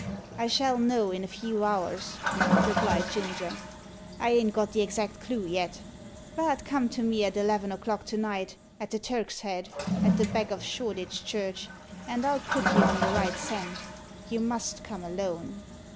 "I shall know in a few hours," replied Ginger. "I ain't got the exact clue yet. But come to me at eleven o'clock to night, at the Turk's Head, at the back o' Shoreditch Church, and I'll put you on the right scent. You must come alone."